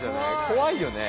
怖いよね。